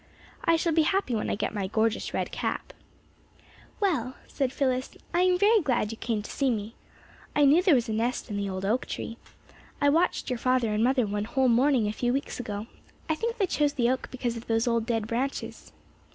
I shall be happy when I get my gorgeous red cap." "Well," said Phyllis, "I am very glad you came to see me. I knew there was a nest in the old oak tree. I watched your father and mother one whole morning a few weeks ago. I think they chose the oak because of those old dead branches.